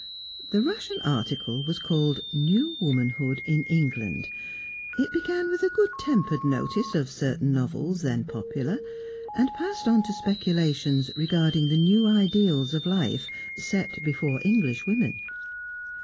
The Russian article was called "New Womanhood in England." It began with a good tempered notice of certain novels then popular, and passed on to speculations regarding the new ideals of life set before English women.